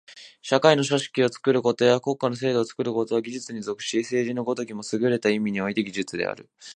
社会の組織を作ることや国家の制度を作ることは技術に属し、政治の如きもすぐれた意味において技術である。